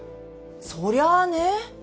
そりゃあね。